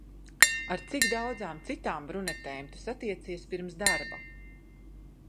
Ar cik daudzām citām brunetēm tu satiecies pirms darba?